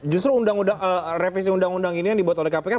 justru revisi undang undang ini yang dibuat oleh kpk